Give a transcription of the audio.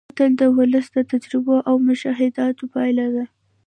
متل د ولس د تجربو او مشاهداتو پایله ده